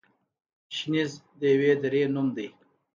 شنیز د یوې درې نوم دی.